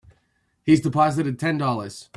He's deposited Ten Dollars.